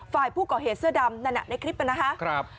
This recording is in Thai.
ฝ่ายผู้ก่อเหตุเสื้อดำนั่นในคลิปนะครับ